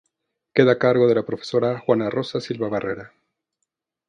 Queda a cargo de la profesora Juana Rosa Silva Barrera.